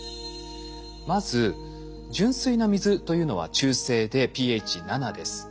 まず純粋な水というのは中性でｐＨ７です。